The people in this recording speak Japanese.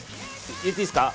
入れていいですか？